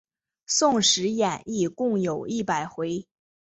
宋史演义共有一百回。